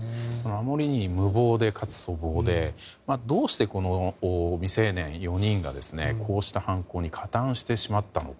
あまりに無謀で粗暴でどうして未成年４人がこうした犯行に加担してしまったのか。